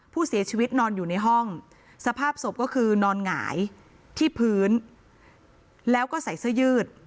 ผู้เสียชีวิตนอนอยู่ในห้องสภาพศพก็คือนอนหงายที่พื้นแล้วก็ใส่เสื้อยืด